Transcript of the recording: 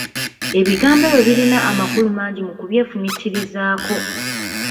Ebigambo ebyo birina amakulu mangi mu kubyefumiitirizaako!